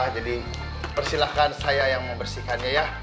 jadi persilahkan saya yang membersihkannya ya